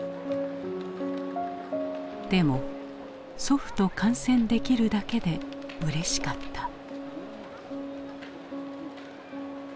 でも祖父と観戦できるだけでうれしかった。